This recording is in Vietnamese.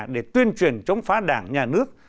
để tuyên truyền chống phá đảng nhà nước